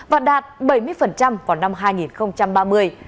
và đạt bảy mươi vào năm hai nghìn ba mươi